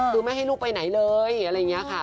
คือไม่ให้ลูกไปไหนเลยอะไรอย่างนี้ค่ะ